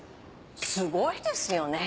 すごいですよね。